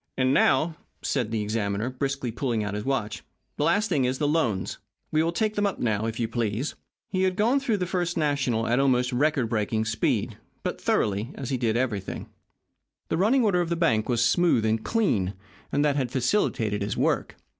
"And now," said the examiner, briskly, pulling out his watch, "the last thing is the loans. We will take them up now, if you please." He had gone through the First National at almost record breaking speed but thoroughly, as he did everything. The running order of the bank was smooth and clean, and that had facilitated his work.